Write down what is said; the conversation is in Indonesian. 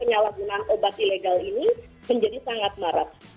penyalahgunaan obat ilegal ini menjadi sangat marak